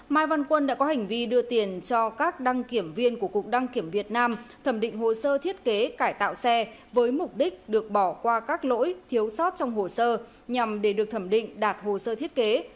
mai văn quân đã có hành vi đưa tiền cho các đăng kiểm viên của cục đăng kiểm việt nam thẩm định hồ sơ thiết kế cải tạo xe với mục đích được bỏ qua các lỗi thiếu sót trong hồ sơ nhằm để được thẩm định đạt hồ sơ thiết kế